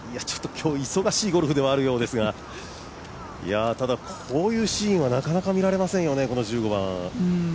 今日、忙しいゴルフではあるようですがただ、こういうシーンはなかなか見られませんよね、この１５番。